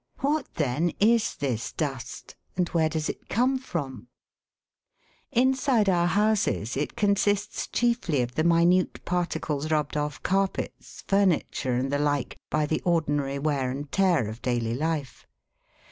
What then is this dust, and where does it come from ? Inside our houses it consists chiefly of the minute particles rubbed off carpets, furniture, and the like, by the ordinary wear and tear of daily life.